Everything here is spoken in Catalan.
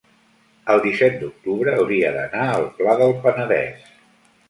el disset d'octubre hauria d'anar al Pla del Penedès.